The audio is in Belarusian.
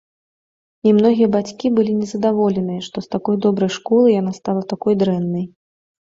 І многія бацькі былі незадаволеныя, што з такой добрай школы яна стала такой дрэннай.